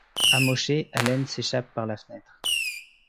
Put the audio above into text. Amoché, Allen s'échappe par la fenêtre.